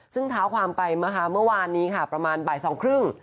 ซึ่งท้าวความไปเมื่อวานนี้ค่ะประมาณบ่าย๒๓๐น